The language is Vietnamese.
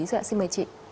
xin mời chị